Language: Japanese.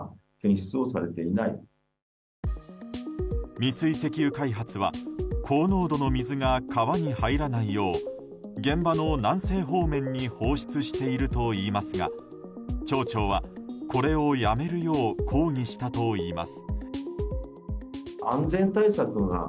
三井石油開発は高濃度の水が川に入らないよう現場の南西方面に放出しているといいますが町長は、これをやめるよう抗議したといいます。